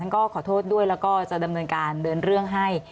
ท่านก็ขอโทษด้วยแล้วก็กระทำเนื่องการดันเรื่องให้